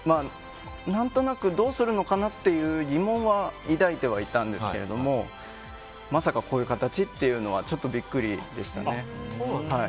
何となくどうするのかなという疑問は抱いてはいたんですけれどもまさかこういう形というのはちょっとビックリでしたね。